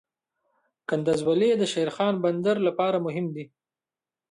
کندز ولې د شیرخان بندر لپاره مهم دی؟